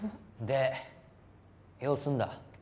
で用済んだ？